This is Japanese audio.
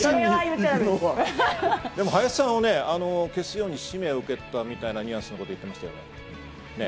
林さんを消すように使命を受けていたみたいなニュアンスのことも言ってましたよね。